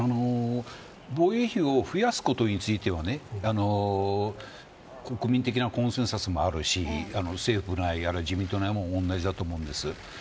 防衛費を増やすことについては国民的なコンセンサスもありますし自民党内でも同じだと思います。